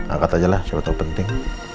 angkat ajalah siapa tau penting